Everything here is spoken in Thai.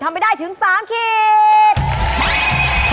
ทำไปได้ถึง๓คิด